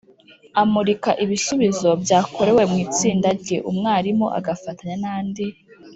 amurika ibisubizo byakorewe mu itsinda rye, umwarimu agafatanya n’andi